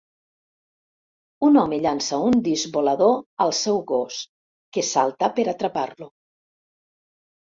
Un home llança un disc volador al seu gos, que salta per atrapar-lo.